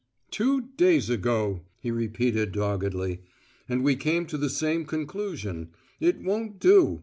"Two days ago," he repeated doggedly; "and we came to the same conclusion: it won't do.